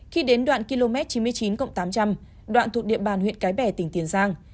khi đến đoạn km chín mươi chín cộng tám trăm linh đoạn thuộc địa bàn huyện cái bè tỉnh tiền giang